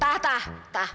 tah tah tah eh tah